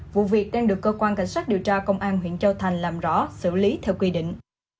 vụ việc đang được cơ quan cảnh sát điều tra công an huyện châu thành làm rõ xử lý theo quy định